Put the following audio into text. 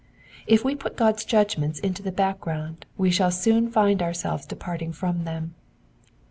If we put God's judgments into the background we shall soon find ourselves departing from them.